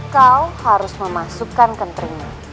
kau harus memasukkan kenteringmu